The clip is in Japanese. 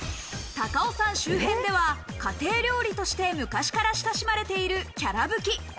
高尾山周辺では家庭料理として昔から親しまれているきゃらぶき。